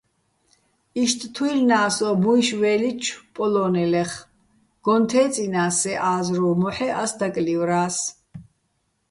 იშტ თუჲლნა́ს ო მუჲში̆ ვე́ლიჩო̆ პოლო́ნელეხ, გოჼ თე́წჲინას სე ა́ზრუვ, მოჰ̦ე́ ას დაკლივრა́ს.